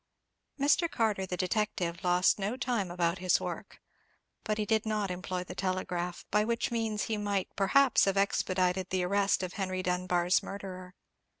Mr. Carter the detective lost no time about his work; but he did not employ the telegraph, by which means he might perhaps have expedited the arrest of Henry Dunbar's murderer.